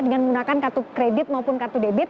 dengan menggunakan kartu kredit maupun kartu debit